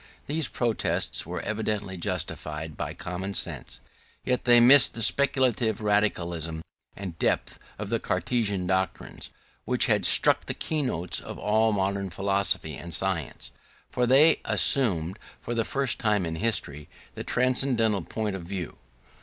These protests were evidently justified by common sense: yet they missed the speculative radicalism and depth of the Cartesian doctrines, which had struck the keynotes of all modern philosophy and science: for they assumed, for the first time in history, the transcendental point of view.